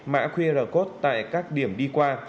mã qr code tại các điểm đi qua